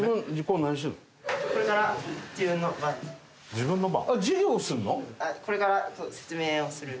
自分の番？